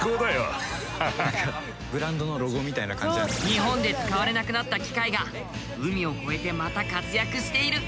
日本で使われなくなった機械が海を越えてまた活躍している。